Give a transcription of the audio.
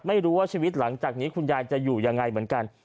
ไม่รู้ว่าชีวิตหลังจากนี้คุณยายจะอยู่ยังไงเหมือนกัน